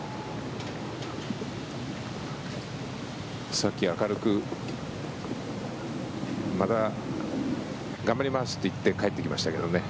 さっき明るくまた頑張りますと言って帰っていきましたけどね。